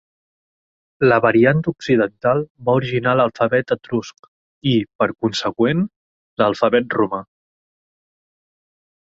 La variant occidental va originar l'alfabet etrusc i, per consegüent, l'alfabet romà.